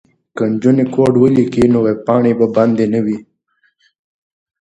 که نجونې کوډ ولیکي نو ویبپاڼې به بندې نه وي.